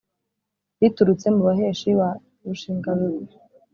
Riturutse mu baheshi Wa Rushingabigwi